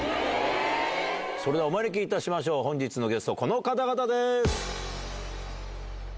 それではお招きいたしましょう、本日のゲスト、この方々です。